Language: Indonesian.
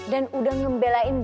dan udah ngembelain